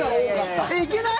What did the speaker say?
いけない？